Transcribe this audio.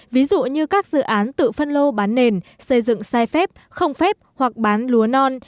ví dụ như các dự án tự phân lô bán nền xây dựng sai phép không phép hoặc bán lúa non